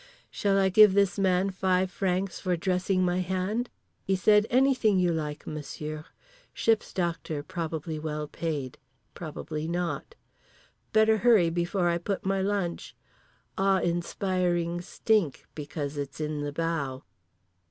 Shall I give this man five francs for dressing my hand? He said "anything you like, monsieur." Ship's doctor's probably well paid. Probably not. Better hurry before I put my lunch. Awe inspiring stink, because it's in the bow.